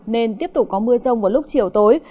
nên tiếp tục có mưa rông vào lúc chiều tối